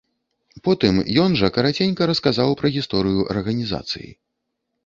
Потым ён жа караценька расказаў пра гісторыю арганізацыі.